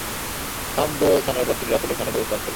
হামদ ও ছানার পর তিনি রাসূলের শানে দরূদ পাঠ করলেন।